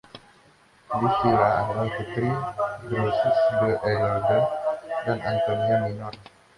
Livilla adalah putri Drusus the Elder dan Antonia Minor.